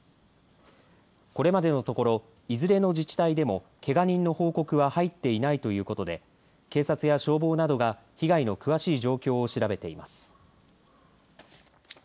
これまでのところいずれの自治体でもけが人の報告は入っていないということで警察や消防などが被害の詳しい状況を調べています。